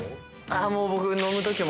もう僕。